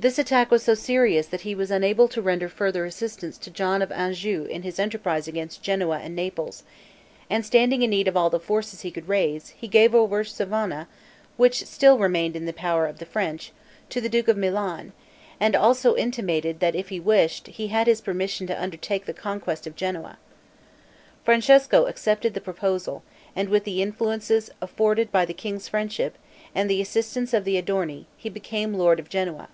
This attack was so serious, that he was unable to render further assistance to John of Anjou in his enterprise against Genoa and Naples; and, standing in need of all the forces he could raise, he gave over Savona (which still remained in the power of the French) to the duke of Milan, and also intimated, that if he wished, he had his permission to undertake the conquest of Genoa. Francesco accepted the proposal, and with the influence afforded by the king's friendship, and the assistance of the Adorni, he became lord of Genoa.